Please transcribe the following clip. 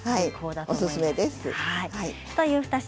おすすめです。